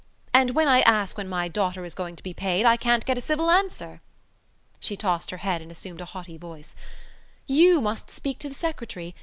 And when I ask when my daughter is going to be paid I can't get a civil answer." She tossed her head and assumed a haughty voice: "You must speak to the secretary.